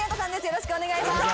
よろしくお願いします。